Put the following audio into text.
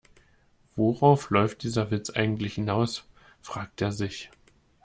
Worauf läuft dieser Witz eigentlich hinaus?, fragt er sich.